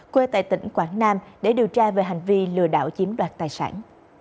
quê tại tỉnh quảng nam để điều tra về hành vi lừa đảo chiếm đoạt tài sản